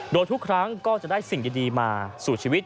โดยทุกครั้งก็จะได้สิ่งดีมาสู่ชีวิต